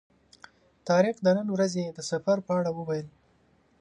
طارق د نن ورځې د سفر په اړه وویل.